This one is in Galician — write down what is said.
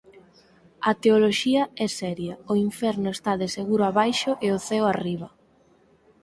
A teoloxía é seria, o inferno está de seguro abaixo – e o ceo arriba.